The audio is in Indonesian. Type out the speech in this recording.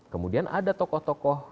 kemudian ada tokoh tokoh